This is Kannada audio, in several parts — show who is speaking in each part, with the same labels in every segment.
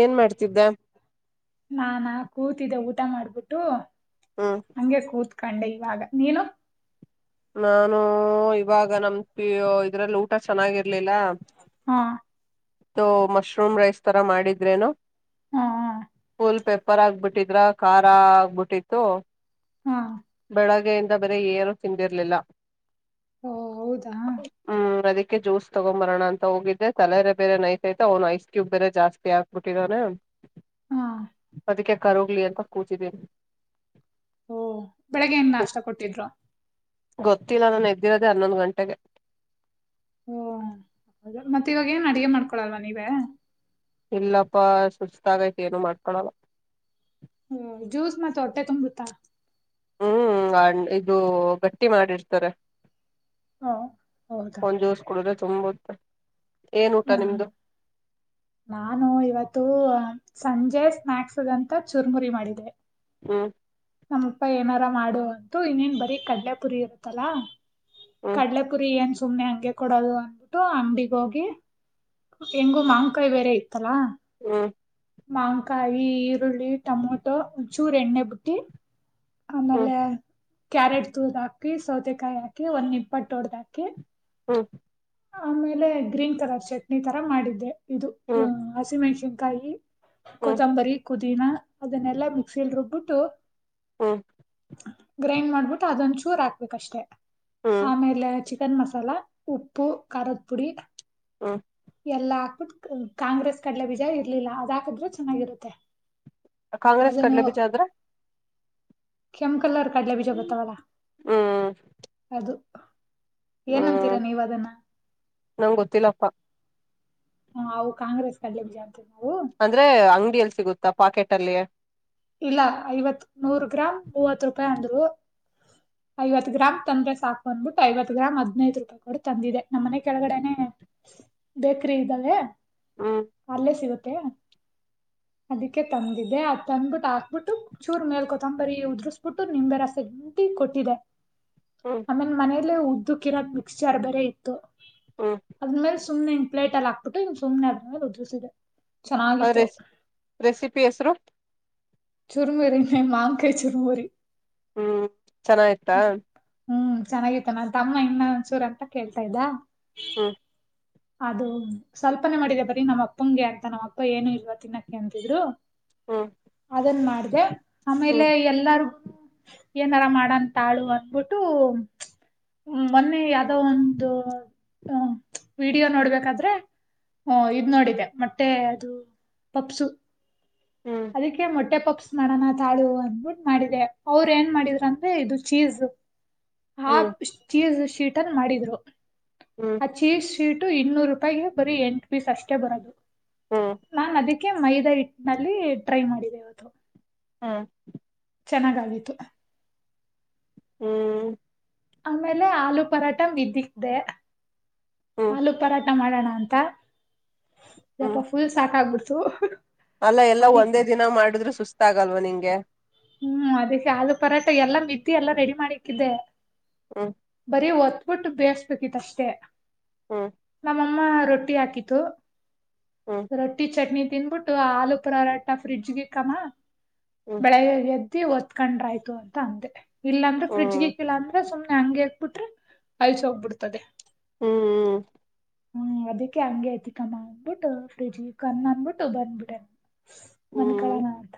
Speaker 1: ಏನ್ ಮಾಡ್ತಿದ್ದೆ
Speaker 2: ನಾನಾ ಕೂತಿದ್ದೆಊ ಊಟ ಮಾಡ್ಬಿಟ್ಟು
Speaker 1: ಹ್ಮ್
Speaker 2: ಹಂಗೆ ಕೂತ್ಕಂಡೆ ಇವಾಗ ನೀನು
Speaker 1: ನಾನು ಇವಾಗ ನಮ್ಪಿ ಇದ್ರಲ್ಲಿ ಊಟ ಚೆನ್ನಾಗಿರ್ಲಿಲ್ಲ
Speaker 2: ಹಾ
Speaker 1: ಮಶ್ರೂಮ್ ರೈಸ್ ತರ ಮಾಡಿದ್ರೇನು
Speaker 2: ಹಾ
Speaker 1: ಪೆಪರ್ ಆಗ್ಬಿಟ್ಟಿದ್ರ ಖಾರ ಆಬಿಟ್ಟಿ
Speaker 2: ಹಾ
Speaker 1: ಬರೆ ಏರ್ ಫ್ ಇಂಡ್ಯರ್ಲಿಲ್ಲ
Speaker 2: ಓ ಹೌದಾ
Speaker 1: ಕ್ಕೆ ಜ್ಯೂಸ್ ತಗೊಬರೋಣ ಅಂತ ಹೋಗಿದ್ರೆ ತಲೆ ಬೇರೆ ನೈತೈತ ಅವ್ನು ಐಸ್ ಕ್ಯೂಬ್ ಬೇರೆ ಜಾಸ್ತಿ ಆಾಕ್ಬಿಟ್ಟಿದ ಅವನೆ ಅದಕ್ಕೆ ಕರೋಗ್ಲಿ ಅಂತ ಕೂಚಿದ್ದೀನಿ
Speaker 2: ಓ ಬೆಳಿಗ್ಗೆ ಏನ್ ನಾಷ್ಟ ಕೊಟ್ಟಿದ್ರು
Speaker 1: ಗೊತ್ತಿಲ್ಲ ನಾನು ಎದ್ದಿರದೆೇ ಹನ್ನೊಂದು ಗಂಟೆಗೆ
Speaker 2: ಓ ಮತ್ತೆ ಇವಾಗ ಏನ್ ಅಡಗೆ ಮಾಡ್ಕೊಳಲ್ವಾ ನೀವೇ
Speaker 1: ಇಲ್ಲಪ್ಪಾ ಸುಸ್ತಾಗೈತಿ ಏನು ಮಾಡ್ಕೊಳಲ್ಲ
Speaker 2: ಹ್ಮ ಜ್ಯೂಸ್ ಮತ್ತೆ ಹೊಟ್ಟೆ ತುಂಬತ್ತಾ
Speaker 1: ಹ್ಮ್ ಇದು ಗಟ್ಟಿ ಮಾಡಿರ್ತಾರೆ
Speaker 2: ಓ ಹೌದಾ
Speaker 1: ಒಂಚ ದಿವಸ್ ಕೂಡ್ರೆ ತುಂಬುತ್ತ
Speaker 2: ಹ್ಮ ನಾನು ಇವತ್ತು ಸಂಜೆ ಸ್ನಾಯಕ್ಸ್ಗಂತ ಚುರ್ಮುರಿ ಮಾಡಿದೆ
Speaker 1: ಹ್ಮ್
Speaker 2: ನಮ್ಮಪ್ಪ ಏನಾರ ಮಾಡುವ ಅಂತೂ ಇನ್ನೇನ್ ಬರೀ ಕಡ್ಲೆಪುರಿ ಇರುತ್ತಲಾ
Speaker 1: ಹ್ಮ್
Speaker 2: ಕಡ್ಲ ಕುುರಿ ಏನ್ ಸುಮ್ನೆ ಹಂಗೆ ಕೊಡೋದು ಅಂದಬಿಟ್ಟು ಅಂಗಿಗ ಹೋಗಿ ಹೆಂಗು ಮಾಂನ್ಕಾಯಿ ಬೇರೆ ಇತ್ತಲ್ಲಾ
Speaker 1: ಹ್ಮ್
Speaker 2: ಮಂಕಾಯಿ ಈರುಳ್ಳಿ ಟೊಮೊಟೊ ಉಚೂ ರ ಎಣ್ಣೆ ಬುಟ್ಟಿ
Speaker 1: ಹ್ಮ್
Speaker 2: ಆಮೇಲೆ ಕ್ಯಾರೆಟ್ ತೂದ ಹಾಕಿ ಸೌತೆಕಾಯಿ ಹಾಕಿ ಒಂದ್ ಇಪ್ಪಟ್ಟೊಡ್ದ್ ಹಾಕಿ
Speaker 1: ಹ್ಮ
Speaker 2: ಆಮೇಲೆ ಗ್ರೀನ್ ಕಲರ್ ಚಟ್ನಿ ತರ ಮಾಡಿದ್ದೆ ಇದು
Speaker 1: ಹ್ಮ್
Speaker 2: ಹಸಿಮೆಣ್ಸಿನ್ಕಾಯಿ
Speaker 1: ಹ್ಮ್
Speaker 2: ಕೊತ್ತಂಬರಿ ಪುದಿನ ಅದನ್ನೆಲ್ಲಾ ಮಿಕ್ಸಿಯಲ್ಲಿ ರುಬ್ಬಿಟ್ಟು
Speaker 1: ಹಾ
Speaker 2: ಗ್ರೈಂಡ್ ಮಾಡ್ಬಿಟ್ಟು ಅದೊಂದ ಚೂರ್ ಹಾಕ್ಬೇಕಷ್ಟೇ
Speaker 1: ಹ್ಮ್
Speaker 2: ಆಮೇಲೆ ಚಿಕನ್ ಮಸಾಲಾ ಉಪ್ಪ ಪೂ ಕರತ್ ಪುಡಿ
Speaker 1: ಹ್ಮ್
Speaker 2: ಎಲ್ಲಾ ಹಾಕ್ಬಿಟ್ಟ ಕಾಂಗ್ರೆಸ್ ಕಡ್ಲೆ ವಿಜಯ ಇರ್ಲಿಲ್ಲ ಅದ ಹಾಕದ್ರೆ ಚೆನ್ನಾಗಿರುತ್ತೆ
Speaker 1: ಕಾಂಗ್ರೆಸ್ ಕಡ್ಲೆ ಬೀಜ ಆದ್ರೆ
Speaker 2: ಕೆಂ ಕಲ್ಲ ಅವ ಕಡಲೆ ಬೀಜ ಬತ್ತಾವಲ್ಲ
Speaker 1: ಹ್ಮ್
Speaker 2: ಅದು
Speaker 1: ಹ್ಮ್
Speaker 2: ಏನಂತೀರಾ ನೀವ್ ಅದನ್ನ
Speaker 1: ನಂ ಗೊತ್ತಿಲ್ಲಪ್ಪಾ
Speaker 2: ಹ ಅವು ಕಾಂಗ್ರೆಸ್ ಕಡ್ಲಿ ಜಾತ ನವು
Speaker 1: ಅಂದ್ರೆ ಅಂಗಡಿಯಲ್ಲಿ ಸಿಗುತ್ತಾ ಪಾಕೆಟ್ ಅಲ್ಲಿಯ
Speaker 2: ಇಲ್ಲ ಐವತ್ ನೂರ್ ಗ್ರಾಮ್ ಮೂವತ್ ರೂಪಾಯಿ ಅಂದ್ರು ಐವತ್ ಗ್ರಾಮ್ ತಂದ್ರೆ ಸಾಕ ಬಂದ್ಬಿಟ್ಟು ಐವತ್ ಗ್ರಾಮ್ ಹದ್ೈದು ರೂಪಾಯಿ ಕೊಡಿ ತಂದಿದೆ ನಮ್ಮ್ನೆ ಕೆಳಗಡೆನೆ ಬೇಕ್ರ ಇದ್ದಾವೆ
Speaker 1: ಹ್ಮ್
Speaker 2: ಅಲ್ಲೇ ಸಿಗುತ್ತೆ ಅದಕ್ಕೆ ತಂದಿದೆ ಆ ತಂದುು ಹಾಕ್ಬಿಟ್ಟು ಚೂರ್ ಮೇಲ್ ಕೊತ್ತಂಬರಿ ಉದು್ರಿಸಬಿಟ್ಟು ನಿಂಬೆ ರಸಗಂತಿ ಕೊಟ್ಟಿದೆ
Speaker 1: ಹ್ಮ್
Speaker 2: ಆಮೇಲೆ ಮನೇಲೆ ಉದ್ದುಕಿರ ಮಿಕ್ಸ್ಚರ್ ಬರೆ ಇತ್ತು
Speaker 1: ಹ್ಮ್
Speaker 2: ಅದ್ಮೇಲೆ ಸುಮನೆಿ ಪ್ೇ ಅಲ್ಲಿ ಹಾಕ್ಬಿು ಇ್ ಸು್ನೆ ಆದ್ಮೇಲೆದ್ಿದೆ
Speaker 1: ಅ ರೆಸ್ ರೆಸಿಪಿ ಹೆಸರು
Speaker 2: ಚುರ್ಮುರಿ ನ ಮಾಂಕ ಚುರ್ಮುರಿ
Speaker 1: ಹ್ಮ್ ಚೆನ್ನ ಆ್ತಾ
Speaker 2: ಹ್ಮ್ ಹ್ಮ್ ಚೆನ್ನಾಗಿತ್ತು ನನ್ ತಮ್ಮ ಇನ್ನ ಒಂದಸೂರ್ ಅಂತ ಕೇಳ್ತಾ ಇದ್ದ
Speaker 1: ಹ್ಮ
Speaker 2: ಅದು ಸ್ವಲ್ಪನೆ ಮಾಡಿದೆ ಬರೀ ನಮ್ಮಪ್ಪಂಗೆ ಅಂತ ನಮ್ಮಪ್ಪ ಏನು ಇಲ್ವಾ ತಿನ್ನಕ್ಕೆ ಅಂತಿದ್ರು
Speaker 1: ಹಾ
Speaker 2: ಅದನ್ ಮಾಡ್ದ ಆಮೇಲೆ ಎಲ್ಲಾರ ಏನಾರ ಮಾಡಂತಂತಾಳು ಅನ್ಬಿಟ್ಟು ಮೊನ್ನೆ ಯಾವ್ದ ಒಂದು ಅ ವಿಡಿಯೋ ನೋಡ್ಬೇಕಾದ್ರೆ ಹಓ ಇದ್ ನೋಡಿದೆ ಮತ್ತೆ ಅದು ಪಪ್ಸು
Speaker 1: ಹ್ಮ್
Speaker 2: ಹೊಟ್ಟೆ ಪಪ್ಸ್ ಮಾಡೋಣ ತಾಳು ಅಂದ್ಬಿಟ್ಟ ಮಾಡಿದೆ ಅವ್ರ ಏನ್ ಮಾಡಿದ್ರ ಅಂದ್ರೆ ಇದು ಚೀಸ್ ಆ
Speaker 1: ಹ್ಮ್
Speaker 2: ಚೀಸ್ ಶೀಟ್ ಅನ್ ಮಾಡಿದ್ರು
Speaker 1: ಹ್ಮ್
Speaker 2: ಆ ಚೀಸ್ ಶೀಟ್ ಇ ರ ಅ ಬ
Speaker 1: ಹ್ಮ್
Speaker 2: ನ ೆ ಮೈದಾ ಹಟ್ಟ ನಲ್ಲಿ ಟ್ರೈ ಮಾಡಿದೆ ಅದು
Speaker 1: ಹಾ
Speaker 2: ಚೆನ್ನಾಗಾಗಿತ್ತುು
Speaker 1: ಹ್ಮ್
Speaker 2: ಆಮೇಲೆ ಆಲೂ ಪರಾಟ ಬಿದ್ದಿದ್ದೆ
Speaker 1: ಹ್ಮ್
Speaker 2: ಆಲೂ ಪರಾಟ ಮಾಡೋಣ ಅಂತ
Speaker 1: ಹ್ಮ್
Speaker 2: ಜಪ ಫುಲ್ ಸಾಕ ಆಾಗಬಿಡ್ತು
Speaker 1: ಅಲ್ಲ ಎಲ್ಲ ಒಂದೇ ದಿನ ಮಾಡಿದ್ರು ಸುಸ್ತ ಆಾಗಲ್ವ ನಿಂಗೆ
Speaker 2: ಹ್ಮ್ ಅದೇ ಶದು ಪರಾಟ ಎಲ್ಲಾ ಮತ್ತಿ ಎಲ್ಲಾ ರೆಡಿ ಮಾಡಿಕ್ಕಿದ್ದೆ
Speaker 1: ಹ್ಮ್
Speaker 2: ಬರೀ ಒತ್ಬಿಟ್ಟು ಬೇಯಸ್ಬೇಕಿತ್ ಅಷ್ಟೇ
Speaker 1: ಹಾ
Speaker 2: ಅಮ್ಮ ರೊಟ್ಟಿ ಹಾಕತ್ತು
Speaker 1: ಹ್ಮ್
Speaker 2: ರೊಟ್ಟಿ ಚಟ್ನಿ ತಿನ್ಬಿಟ್ಟು ಆಲೂ ಪುರಾರಾಟ ಫ್ರಿಜ್ಗೆ ಕಮ
Speaker 1: ಹ್ಮ್
Speaker 2: ಬೆಳಗ್ಗೆ ಎದ್ದಿ ಒತ್ಕೊಂಡ್ರ ಆಯ್ತು ಅಂತ ಅಂದೆ ಇಲ್ಲಾಂದ್ರ
Speaker 1: ಹ್ಮ್
Speaker 2: ಫ್ರಿಜ್ಗಿಕ್ಕಿಲ್ಲಾ ಅಂದ್ರೆು ಹಂಗೆ ಹಾಕ್ಬಿಟ್ರೆ ಅಲ್ಸ ಹೋಗ್ಬಿಡ್ತದೆ
Speaker 1: ಹ್ಮ್್ಮ
Speaker 2: ಹ್ಮ ಅದಕ್ಕೆ ಹಂಗ ಐತಿ ಕಮ್ಮ ಅನ್ಬಿಟ್ಟು ಫ್ರಿಜಿ ಕಣ ಅನ್ಬಿಟ್ಟು ಬಂದ್ಬಿಟ್ಟಂಗ
Speaker 1: ಹ್ಮ್
Speaker 2: ಮನಕಳನಾಥ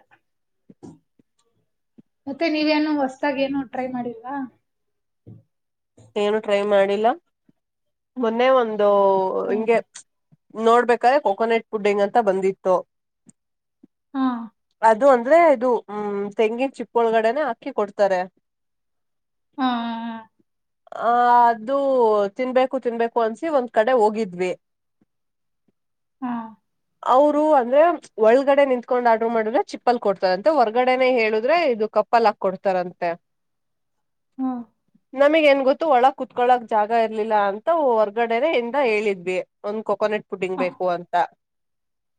Speaker 2: ಮತ್ತೆ ನೀವೇನು ಹೊಸದಾಗಿ ಏನು ಟ್ರೈ ಮಾಡಿಲ್ವಾ
Speaker 1: ಏನು ಟ್ರೈ ಮಾಡಿಲ್ಲ ಮೊನ್ನೆ ಒಂದು
Speaker 2: ಹ್ಮ್
Speaker 1: ಹಂಗೆ ನೋಡ್ಬೇಕಾದ್ರೆ ಕೋಕೋನಟ್ ಪುಡ್ಡಿಂಗ್ ಅಂತ ಬಂದಿತ್ತು
Speaker 2: ಹಾ
Speaker 1: ಅದು ಅಂದ್ರೆ ಇದು ಹ್ಮ ತೆಂಗಿನ ಚಿಪ್ಪ ಒಳಗಡೆನೆ ಹಾಕಿ ಕೊಡ್ತಾರೆ
Speaker 2: ಹಾ
Speaker 1: ಆ ಅದು ತಿನ್ಬೇಕು ತಿನ್ಬೇಕು ಅನ್ಸಿ ಒಂದ್ ಕಡೆ ಹೋಗಿದ್ವಿ [unintelligible]
Speaker 2: ಹಾ
Speaker 1: ಅವರು ಅಂದ್ರೆ ಒಳಗಡೆ ನಿಂತ್ಕೊಂಡ್ ಆರ್ಡ್ರ ಮಾಡಿದ್ರೆ ಚಿಪ್ಪಲ್ ಕೊಡ್ತದಂತೆ ಹೊರ್ಗಡೆನೆೇ ಹೇಳುದ್ರೆ ಇದು ಪಪ್ಪಲ್ ಹಾಕ ಕೊಡ್ತಾರಂತೆ
Speaker 2: ಹ್ಮ
Speaker 1: ನಮಗ ಏನ್ ಗೊತ್ತು ಒಳಗ್ ಕುತ್ಕೊಳಕ್ ಜಾಗ ಇರ್ಲಿಲ್ಲ ಅಂತ ಹೊರ್ಗಡೆನೆ ಇಂದ ಹೇಳಿದ್ವಿ ಒಂದ್ ಕೊಕೋನಟ್
Speaker 2: ಹ
Speaker 1: ಪಡಿಂಗ್ಬೇಕು ಅಂತ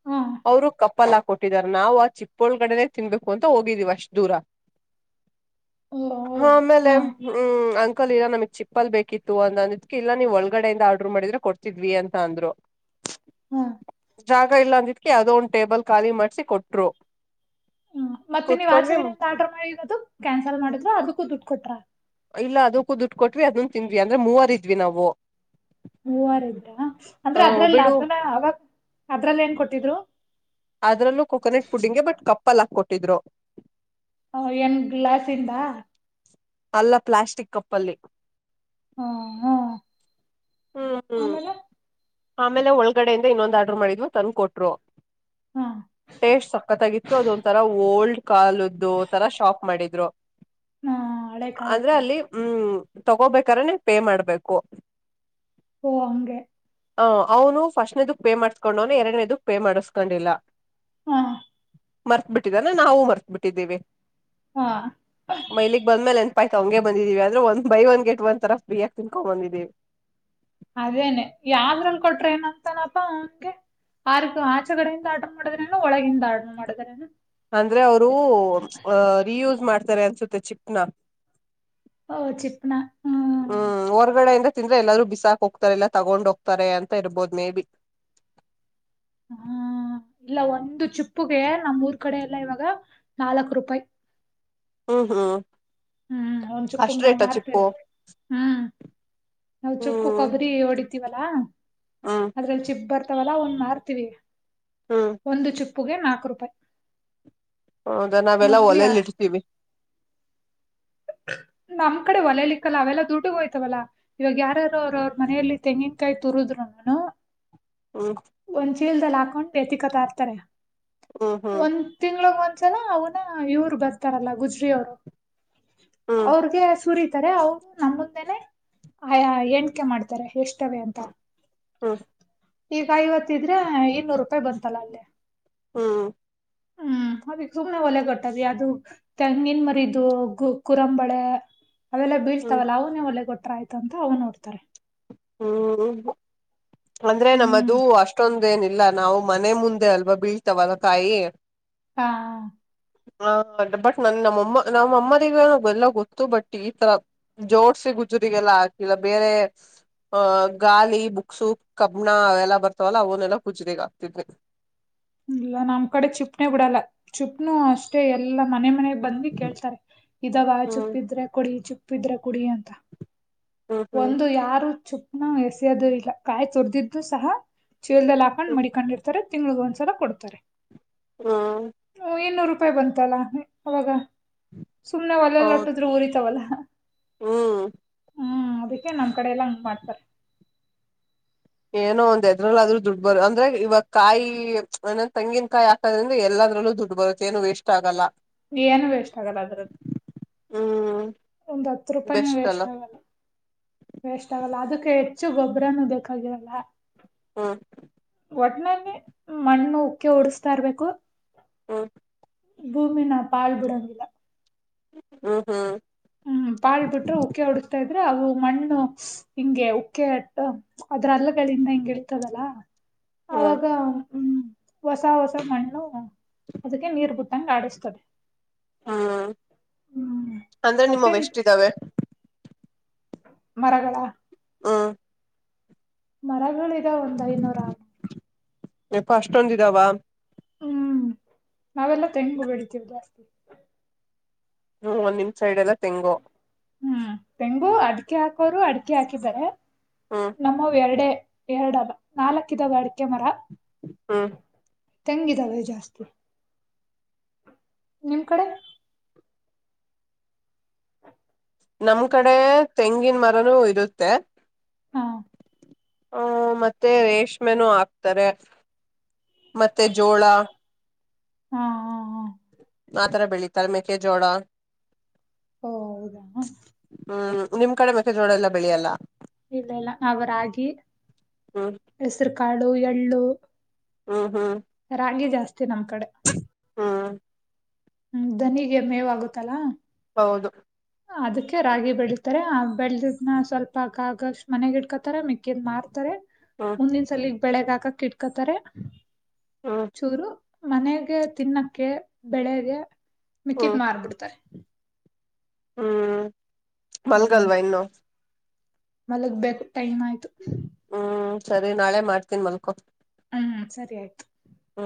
Speaker 2: ಹಾ
Speaker 1: ಅವರು ಕಪ್ಪಲ್ ಹಾಕ್ ಕೊಟ್ಟಿದಾರ ನಾವು ಆ ಚಿಪ್ಪೋಳ್ಗಡೆನೆೇ ತಿನ್ಬೇಕು ಅಂತ ಹೋಗಿದೀವ ಅಷ್ಟ ದೂರ
Speaker 2: ಓ
Speaker 1: ಹ ಆಮೇಲೆ
Speaker 2: ಹಾ
Speaker 1: ಹ್ಮ್ ಅಂಕಲ್ ಈರ ನಮಗ್ ಚಿಪ್ಪಲ್ ಬೇಕಿತ್ತು ಅಂದ ಅನಿದಕ ಇಲ್ಲ ನೀವ್ ಒಳಗಡೆಯಿಂದ ಆರ್ಡ್ರ್ ಮಾಡಿದ್ರೆ ಕೊಡ್ತಿದ್ವಿ ಅಂತ ಅಂದ್ರು
Speaker 2: ಹ್ಮ
Speaker 1: ಜಾಗ ಇಲ್ಲ ಅಂದಿಟ್ಕಿ ಅದ ಒಂದ್ ಟೇಬಲ್ ಖಾಲಿ ಮಾಡ್ಸಿ ಕೊಟ್ರು
Speaker 2: ಹ್ಮ ಮತ್ತೆ ನೀವ್
Speaker 1: ಕುೂತ್ಕೊಂಡ್ವಿ
Speaker 2: ಆಚೆಗಡಿಂದ ಆರ್ಡ್ರರ್ ಮಾಡಿರದು ಕ್ಯಾನ್ಸಲ್ ಮಾಡಿದ್ರ ಅದಕ್ಕೂ ದುಡ್ಡು ಕೊಟ್ರ
Speaker 1: ಇಲ್ಲ ಅದ ಕುದುಟ್ ಕೊಟ್ವಿ ಅದನ್ ತಿಂದ್ವಿ ಅಂದ್ರೆ ಮೂವರ ಇದ್ವಿ ನಾವು
Speaker 2: ಮೂೂವಾರಟಾ ಅಂದ್ರೆ
Speaker 1: ಆ
Speaker 2: ಅದ್ರಲ್ಲ
Speaker 1: ಬಿಡು
Speaker 2: ಅದನ್ನ ಅವಾಗ ಅದ್ರಲ್ಲ ಏನ್ ಕೊಟ್ಟಿದ್ರು
Speaker 1: ಅದ್ರಲ್ಲೂ ಕೋಕೋನಟ್ ಫುಡ್ಡಿಂಗಗೆ ಬಟ್ ಕಪ್ಪಲ್ಲ ಹಾಕ ಕೊಟ್ಟಿದ್ರು
Speaker 2: ಹ ನ್ ಗ್ಲಾಸ್ ಇಂದ
Speaker 1: ಅಲ್ಲ ಪ್ಲಾಸ್ಟಿಕ್ ಕಪ್ಪಲ್ಲಿ
Speaker 2: ಹಾ ಹಾ
Speaker 1: ಹ್ಮ್ ಹ್ಮ್
Speaker 2: ಆಮೇಲೆ
Speaker 1: ಆಮೇಲೆ ಒಳಗಡೆಯಿಂದ ಇನ್ನೊಂದು ಆರ್ಡ್ರ ಮಾಡಿದ್ಲು ತಂದ ಕೊಟ್ರು
Speaker 2: ಹಾ
Speaker 1: ಟೇಸ್ಟ್ ಸಕ್ಕತ್ತಾಗಿತ್ತು ಅದೊಂಥರ ಓಲ್ಡ್ ಕಾಲ್ದು ತರ ಶಾಕ್ ಮಾಡಿದ್ರು
Speaker 2: ಹಾ ಹಳೆ ಕಾಲದ
Speaker 1: ಅಂದ್ರೆ
Speaker 2: ತರ
Speaker 1: ಅಲ್ಲಿ ಹ್ಮ್ ತಗೋಬೇಕ್ರನೆೆ ಪೇ ಮಾಡ್ಬೇಕು
Speaker 2: ಓ ಅಂಗ
Speaker 1: ಹ ಅವನು ಫಸ್ಟ್ನದಕ್ ಪೇ ಮಾಡ್ಸ್ಕೊಂಡ ಅವನ ಎರಡನೇದಕ್ ಪೇ ಮಾಡಿಸಸ್ಕೊಂಡಿಲ್ಲ
Speaker 2: ಹಾ
Speaker 1: ಮರ್ತ್ ಬಿಟ್ಟಿದಾನ ನಾವವು ಮರ್ತ್ ಬಿಟ್ಟಿದ್ದೀವಿ
Speaker 2: ಹಾ
Speaker 1: ಮೈಲಿಗ್ ಬಂದ್ಮೇಲೆ ಎೆನ್ಪಾಯ್ ಅಂಗೆ ಬಂದಿದ್ದೀವಿ ಆದ್ರೆ ಒಂದ್ ಬೈ ಒನ್ ಗೆಟ್ ಒನ್ ತರ ಫ್ರೀಯಾಗಿ ತಿನ್ಕೊಂಡ್ ಬಂದಿದ್ದೀವಿ
Speaker 2: ಅದೇನೆ ಯಾವ್ದ್ರಲ್ ಕೊಟ್ರ ಏನ ಅಂತನಪಾ ಅವನ್ಗೆ ಆರಗು ಆಚೆ ಕಡೆಯಿಂದ ಆಡ ಮಾಡಿದ್ರನ ಒಳಗಿಂದ ಆಡ ಮಾಡಿದ್ರೇನ
Speaker 1: ಅಂದ್ರೆ ಅವರು ಅ ರಿಯೂಸ್ ಮಾಡ್ತಾರೆ ಅನ್ಸುತ್ತೆ ಚಿಪ್ನ
Speaker 2: ಓ ಚಿಪ್ನ
Speaker 1: ಹ್ಮ್ ಹೊರ್ಗಡೆಇಂದ ತಿಂದ್ರ ಎಲ್ಲರೂ ಬಿಸಾಕ್ ಹೋಗ್ತಾರೆ ಇಲ್ಲ ತಗೊಂಡ್ ಹೋಗ್ತಾರೆ ಅಂತ ಇರ್ಬೋದು ಮೇ ಬಿ
Speaker 2: ಹ್ಮ್ ಇಲ್ಲ ಒಂದು ಚಿಪ್ಪುಗೆ ನಮ್ಮ್ರ್ ಕಡೆ ಎಲ್ಲ ಇವಾಗ ನಾಲ್ಕ್ ರೂಪಾಯಿ
Speaker 1: ಹ್ಮ್ ಹ್ಮ್
Speaker 2: ಹ್ಮ್ ಅವನ್ ಚುಪ್ಪಂಗ
Speaker 1: ಅಷ್ಟ್
Speaker 2: ನಾವ್
Speaker 1: ರೇಟ ಚಿಪ್ಪು
Speaker 2: ಮಾರ್ತೇವಿ ಹ್ಮ್ ನಾವು ಚುಪ್ಪು
Speaker 1: ಹ್ಮ್
Speaker 2: ಕೊಬ್ಬರಿ ಓಡಿತೀವಲ್ಲಾ
Speaker 1: ಹ್ಮ್
Speaker 2: ಅದ್ರಲ್ಲಿ ಚಿಪ್ಪ ಬರ್ ಹತವಲ್ಲ ಒಂದ್ ಮಾರ್ತೀವಿ
Speaker 1: ಹ್ಮ್
Speaker 2: ಒಂದು ಚಿಪ್ಪುಗೆ ನಾಕು ರೂಪಾಯಿ
Speaker 1: ಹೌದಾ ನಾವೆಲ್ಲಾ ಒಲಲಿ ಇಡ್ತೀವಿ
Speaker 2: ನಮ್ ಕಡೆ ಒಲಲಿಕ್ಕಲ್ಲ ಅವೆಲ್ಲ ದುಡ್ಡುಗ ಹೋಯ್ತವಲ್ಲಾ ಇವಾಗ ಯಾರ್ಯಾರೋ ಅವ್ರರು ಅವ್ರ ಮನೆಯಲ್ಲಿ ತೆಂಗಿನಕಾಯ್ ತುರುದರು ನಾನ
Speaker 1: ಹ್ಮ
Speaker 2: ಕೀಲ್ದಲ್ಲಿ ಹಾಕೊಂಡು ವ್ಯತಿಕತ ಇರ್ತಾರೆ
Speaker 1: ಹ್ಮ್ ಹ್ಮ್
Speaker 2: ಒಂದ್ ತಿಂಳಗ್ ಒಂದ ಚಲ ಅವನ ಇವ್ರು ಬರ್ತಾರಲ್ಲ ಗುಜ್ರ ಅವರು
Speaker 1: ಹ್ಮ್
Speaker 2: ಅವ್ರಗೆ ಸುರಿ ಅವರು ನಮ್ಮ ಮುಂದೆನೆ ಆ ಎಣಕೆ ಮಾಡ್ತಾರೆ ಎಷ್ಟು ಅಂತ
Speaker 1: ಹ್ಮ್
Speaker 2: ಈಗ ಐವತ್ತಿದ್ರೆ ಇನ್ನೂರು ರೂಪಾಯಿ ಬಂತಲ್ಲ ಅಲ್ಲಿೇ
Speaker 1: ಹ್ಮ
Speaker 2: ಹ್ಮ್ ಅದ ಸುಮನೆ ಒಲೆ ಕೊಟ್ಟದ ಅದು ತೆಂಗಿನ ಮರಿದು ಕುರಂಬಳೆ ಅವೆಲ್ಲ
Speaker 1: ಹ್ಮ್
Speaker 2: ಬೀಳ್ತಾವಲ್ಲ ಅವ ನೀ ಒಳ್ಳೆ ಗೊಟ್ರ ಆಯ್ತು ಅಂತ ಅವ್ ನೋಡ್ತಾರೆ
Speaker 1: ಹ್ಮ್ ಅಂದ್ರೆ ನಮ್ಮದು
Speaker 2: ಹ್ಮ್
Speaker 1: ಅಷ್ಟೊಂದ ಹಂಗೇನ ಇಲ್ಲಾ ನಾವು ಮನೆ ಮುಂದೆ ಅಲ್ವಾ ಬೀಳ್ತವ ತಾಯಿ
Speaker 2: ಹಾ
Speaker 1: ಹ ಬಟ್ ನನ್ ನಮ್ಮಮ್ಮ ನಮ್ಮ ಅಮ್ಮನಿಗ ಎಲ್ಲ ಗೊತ್ತು ಬಟ್ ಈ ತರ ಜೋಡ್ಸಿಗ ಕುಜುತಿಗ ಯಲ್ಲ ಹಾಕಿಲ್ಲ ಬೇರೆ ಆಹ ಗಾಲಿ ಬುಕ್ಸು ಕಬ್ಬಣ ಅವೆಲ್ಲ ಬರ್ತವಲ್ಲ ಅವನ್ನೆಲ್ಲಾ ಗುಜರಿಗಿ ಹಾಕ್ತಿದೀನಿ. [inaudible]
Speaker 2: ಇಲ್ಲ ನಮ್ ಕಡೆ ಚುಪ್ನೆೇ ಬೀಡಲ್ಲ ಚುಪ್ನು ಅಷ್ಟೇ ಎಲ್ಲಾ ಮನೆ ಮನೆ ಬಂದು ಕೇಳ್ತಾರೆ ಇದಾವ
Speaker 1: ಹ್ಮ್
Speaker 2: ಚುಪ್ಪಿದ್ರೆ ಕುಡಿ ಚುಪ್ಪಿದ್ರೆ ಕುಡಿ ಅಂತ.
Speaker 1: ಹ್ಮ್ ಹ್ಮ್
Speaker 2: ಒಂದು ಯಾರು ಚುಪ್ನ ಎಸೆಯೋದು ಇಲ್ಲ ಕಾಯಿ ತುರ್ದಿದ್ದು ಸಹ ಚೀಲ್ದಲ್ಲಿ ಹಾಕೊಂಡ್
Speaker 1: ಹ್ಮ್
Speaker 2: ಮಡಕೊಂಡಿರ್ತಾರೆ ತಿಂಗ್ಳಿಗೆ ಒಂದ್ಸಲ ಕೊಡ್ತಾರೆ.
Speaker 1: ಹ್
Speaker 2: ಕ್ಕ ಬಂತಲ್ಲ ಅವಾಗ ಸುಮ್ನೆ ಒಲೆಲ್ಲೊಟ್ಟಿದ್ರೂ ಉರಿತಾವಲ್ಲ.
Speaker 1: ಹು
Speaker 2: ಹ್ಮ್ ಅದಕ್ಕೆೇ ನಮ್ ಕಡೆ ಎಲ್ಲಾ ಹಂಗ ಮಾಡ್ತಾರೆ.
Speaker 1: ಏನೋ ಒಂದ್ ಎದ್ರಲ್ಲ ಆದ್ರೂ ದುಡ್ ಬರು ಅಂದ್ರೆ ಇವಾ ಕಾಯಿ ಅಂದ ತೆಂಗಿನಕಾಯಿ ಹಾಕದ್ರಿಂದ ಎಲ ದ್ರಲ್ಲೂ ದುಡ್ಡು ಬರುತ್ತೆ ಏನು ವೇಸ್ಟ್ ಆಗಲ್ಲ.
Speaker 2: ಏನು ವೇಸ್ಟ್ ಆಗಲ್ಲ ಅದ್ರಲ
Speaker 1: ಹ್ಮ್
Speaker 2: ಒಂದು ಹತ್ತು ರೂಪಾಯಿನ
Speaker 1: ಬೆಸ್ಟ್
Speaker 2: ವೇಸ್
Speaker 1: ಅಲ್ಲ
Speaker 2: ಆಗಲ್ಲ ವೇಸ್ಟ್ ಆಗಲ್ಲ ಅದಕ್ ಹೆಚ್ಚು ಗೊಬ್ಬರನು ಬೆಕಾಗಿರಲ್ಲ.
Speaker 1: ಹ್ಮ
Speaker 2: ಒಟ್ಟನಲ್ಲಿ ಮಣ್ಣು ಉಕೀ ಉಡುಸ್ತ ಇರ್ಬೇಕು
Speaker 1: ಹ್ಮ್ [unintelligible]
Speaker 2: ಭೂಮಿನ ಬಾಲ್ ಬುಡಂಗಿಲ್ಲ.
Speaker 1: ಹ್ಮ ಹ್ಮ್ [unintelligible]
Speaker 2: ಹ್ಮ್ ಪಾಳ್ ಬಿಟ್ರ ಉಕೆ ಓಡಿತಾ ರಾ ಅಂದ್ರೆ ಅವು ಮಣ್ಣು ಹಿಂಗೆ ಉಕ್ಕೆ ಅಟ್ಟು ಅದ್ರ ಅಲ್ಲಗಳಿಂದ ಹಿಂಗ ಇರ್ತಾದಲ
Speaker 1: ಹ್ಮ್
Speaker 2: ಅವಾಗ ಹ್ಮ ಹೊಸ ಹೊಸ ಮಣ್ಣು ಅದಕ್ಕೆ ನೀರ್ ಬು ಹೆಂಗ್ ಆಡಸ್ತದೇ
Speaker 1: ಹ್ಮ್ [unintelligible] ಅಂದ್ರೆ
Speaker 2: ಮತ್ತೆ
Speaker 1: ನಿಮವ ಎಷ್ಟ್ ಇದವೆ.
Speaker 2: ಮರಗಳ
Speaker 1: ಹ್ಮ್
Speaker 2: ಮರಗಳ ಇದಾವ್ ಒಂದ್ ಐದನೂರ ಆರ್
Speaker 1: ಯಪ್ಪಾ ಅಷ್ಟೊಂದ್ ಇದವ.
Speaker 2: ಹ್ಮ್ ನಾವೆಲ್ಲ ತೆಂಗು ಬೆಳಿತೀವಿ ಜಾಸ್ತಿ.
Speaker 1: ಹ್ಮ ನಿಮ್ ಸೈಡ್ ಎಲ್ಲ ತೆಂಗು
Speaker 2: [unintelligible] ಹ್ಮ್ ತೆಂಗು ಅಡ್ಕೆ ಹಾಕೋರು ಅಡ್ಕೆ ಹಾಕಿದರೆ
Speaker 1: ಹ್ಮ್
Speaker 2: ನಮ್ಮವ ಎರಡೆ ಎರಡ ಅಲ್ಲ ನಾಲಕ್ ಇದಾವೆ ಅಡಕೆ ಮರ
Speaker 1: ಹ್ಮ್
Speaker 2: ತೆಂಗಿದಾವೆ ಜಾಸ್ತಿ [unintelligible] ನಿಮ್ ಕಡೆ. [unintelligible]
Speaker 1: ನಮ್ ಕಡೆ ತೆಂಗಿನ ಮರನೂ ಇರುತ್ತೆ
Speaker 2: ಹಾ.
Speaker 1: ಹ ಮತ್ತೆ ರೇಷ್ಮೆನು ಹಾಕ್ತರೆ. ಮತ್ತೆ ಜೋಳ
Speaker 2: ಹ ಹ್ಮ್ ಹ್ಮ್
Speaker 1: ಆತರ ಬೆಳಿತರ ಮೇಕೆಜೋಳ
Speaker 2: ಓ ಹೌದಾ
Speaker 1: ಹ್ಮ್ ನಿಮ್ ಕಡೆ ಮೆಕ್ಕೆಜೋಳ ಎಲ್ಲ ಬೆಳೆಯಲ್ಲ.
Speaker 2: ಇಲ್ಲ ಇಲ್ಲ ನಾವರಾಗಿ
Speaker 1: ಹ್ಮ್
Speaker 2: ಹೆಸರು ಕಾಳು ಎಳ್ಳು
Speaker 1: ಹ್ಮ್ ಹ್ಮ್
Speaker 2: ತಿ ನಮ್ ಕಡೆ
Speaker 1: ಹ್ಮ್
Speaker 2: ಹ್ಮ ದನಿಗೆ ಮೇವಗುತ್ತಲ
Speaker 1: ಹೌದು
Speaker 2: ಅದಕ್ಕೆ ರಾಗಿ ಬೆಳಿತಾರೆ ಆ ಬೆಲ್ಡಿಡ್ನ ಸ್ವಲ್ಪ ಕ ಆಗಷ್ಟ ಮನೆಗಿಟ್ಕೊತಾರೆ ಮಿ ಕಿಡ್ ಮಾರ್ತಾರೆ
Speaker 1: ಹ್ಮ್
Speaker 2: ಮುಂದಿನ ಸಲಗ್ ಬೆಳೆಗ ಹಾಕಕ್ ಇಟ್ಕತಾರೆ
Speaker 1: ಹ್ಮ್
Speaker 2: ಚೂರು ಮನೆಗೆ ತಿನ್ನಕ್ಕೆ ಬೆಳಗೆ ಮಿಕ್ಕಿದ
Speaker 1: ಹ್ಮ್
Speaker 2: ಮಾರ್ಬಿಡ್ತಾರೆ.
Speaker 1: ಹ್ಮ್ ಮಲ್ಗಲ್ವಾ ಇನ್ನೂ.
Speaker 2: ಮಲಗ್ ಬೇಕು ಟೈಮ್ ಆಯ್ತು
Speaker 1: ಹ್ಮ್ ಸರಿ ನಾಳೆ ಮಾಡ್ತೀನಿ ಮಲ್ಕೊ
Speaker 2: ಹ್ಮ್ ಸರಿ ಆಯ್ತು
Speaker 1: ಹ್ಮ್